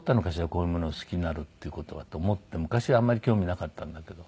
こういうものを好きになるっていう事はと思って昔はあんまり興味なかったんだけど。